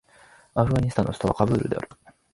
アフガニスタンの首都はカブールである